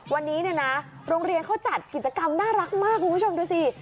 วันนี้เนี่ยนะโรงเรียนเขาจัดกิจกรรมน่ารักมากคุณผู้ชมดูสิ